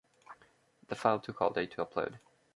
The file took all day to upload.